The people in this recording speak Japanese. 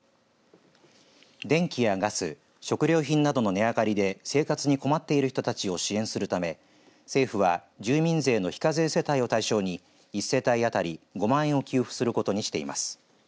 電気やガス食料品などの値上がりで生活に困っている人たちを支援するため政府は住民税の非課税世帯を対象に１世帯当たり５万円を給付することにしています。